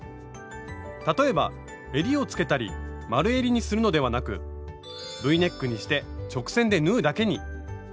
例えばえりをつけたり丸えりにするのではなく「Ｖネック」にして直線で縫うだけに。